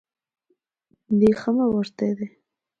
Dígamo vostede.